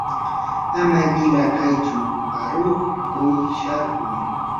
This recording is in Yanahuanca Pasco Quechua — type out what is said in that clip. ama qila kaytsu aruqkuq sharkuy.